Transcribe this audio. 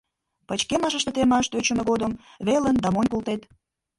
Пычкемыште темаш тӧчымӧ годым велен да монь колтет...